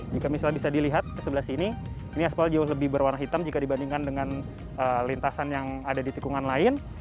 jika misalnya bisa dilihat di sebelah sini ini aspal jauh lebih berwarna hitam jika dibandingkan dengan lintasan yang ada di tikungan lain